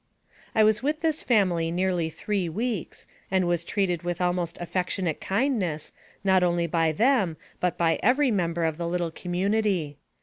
I was with this family nearly three weeks, and was treated with almost affectionate kindness, not only by them, but by every member of the little community.